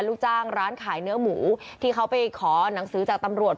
ลูกจ้างร้านขายเนื้อหมูที่เขาไปขอหนังสือจากตำรวจ